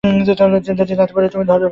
যদি জানতে পারে তুমি ধরা পড়ে গেছো।